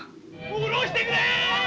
おろしてくれ！